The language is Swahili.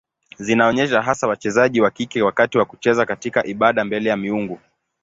Zinaonyesha hasa wachezaji wa kike wakati wa kucheza katika ibada mbele ya miungu.